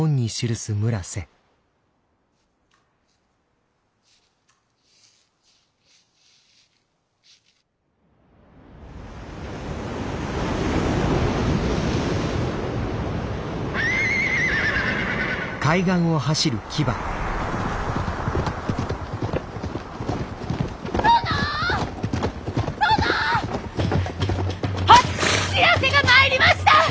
知らせが参りました！